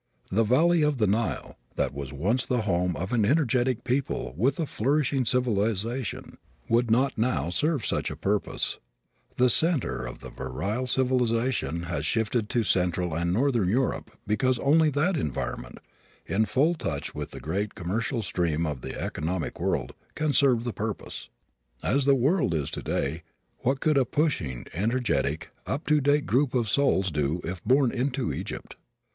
The valley of the Nile, that was once the home of an energetic people with a flourishing civilization would not now serve such a purpose. The center of virile civilization has shifted to central and northern Europe because only that environment, in full touch with the great commercial stream of the economic world, can serve the purpose. As the world is today what could a pushing, energetic, up to date group of souls do if born into Egypt?